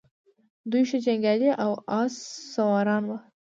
دوی ښه جنګیالي او آس سواران وو